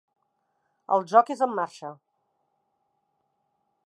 El joc és en marxa.